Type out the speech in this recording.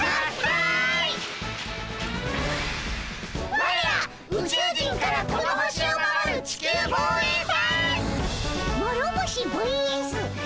ワレら宇宙人からこの星を守る地球防衛隊！